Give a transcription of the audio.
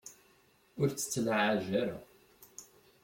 Ur tt-ttlaɛajet ara.